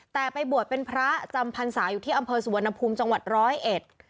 แต่ไปบวชเป็นพระจำพรรษาอยู่ที่อำเภอสุวรรณภูมิจังหวัดร้อยเอ็ด